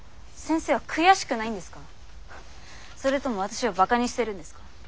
それとも私をバカにしてるんですか？